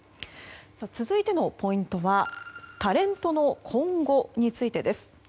続いてのポイントはタレントの今後についてです。